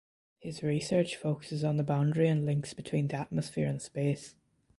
His research focuses on the boundary and links between the atmosphere and space.